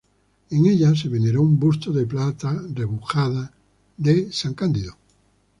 En ella se veneró un busto de plata repujada de San Cándido.